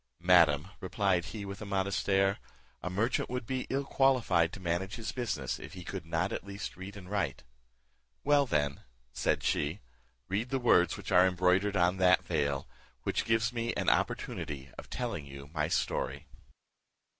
"Madam," replied he, with a modest air, "a merchant would be ill qualified to manage his business if he could not at least read and write." "Well, then," said she, "read the words which are embroidered on that veil, which gives me an opportunity of telling you my story."